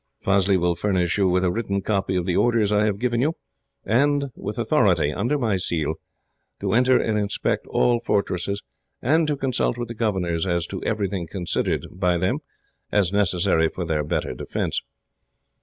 Fazli will furnish you with a written copy of the orders I have given you, and with authority, under my seal, to enter and inspect all fortresses, and to consult with the governors as to everything considered, by them, as necessary for their better defence.